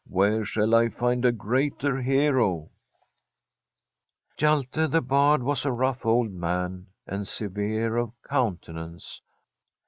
' Where shall I find a greater hero ?' Hjalte the Bard was a rough old man and severe of countenance.